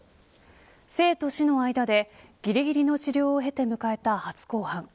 生と死の間でぎりぎりの治療を経て迎えた初公判。